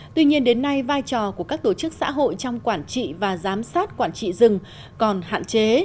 tuy nhiên đến nay vai trò của các tổ chức xã hội trong quản trị và giám sát quản trị rừng còn hạn chế